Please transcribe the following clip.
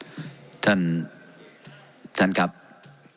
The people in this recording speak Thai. เป็นเพราะว่าคนกลุ่มหนึ่ง